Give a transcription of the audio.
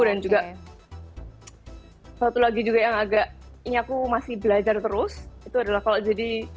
dan juga satu lagi juga yang agak ini aku masih belajar terus itu adalah kalau jadi